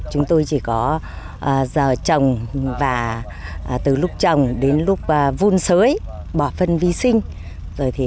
chúng tôi chỉ có giờ trồng và từ lúc trồng đến lúc vun sới bỏ phân vi sinh